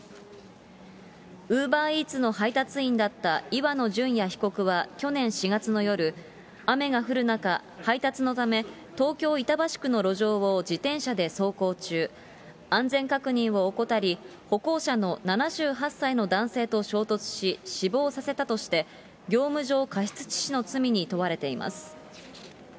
ウーバーイーツの配達員だった岩野純也被告は去年４月の夜、雨が降る中、配達のため、東京・板橋区の路上を自転車で走行中、安全確認を怠り、歩行者の７８歳の男性と衝突し、死亡させたとして、業務上過失致死の罪に問われています。